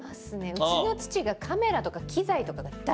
うちの父がカメラとか機材とかが大好きで。